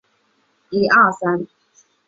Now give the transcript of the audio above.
唐朝羁縻州。